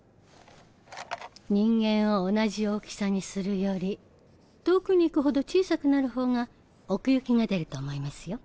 人間を同じ大きさにするより遠くに行くほど小さくなる方が奥行きが出ると思いますよ。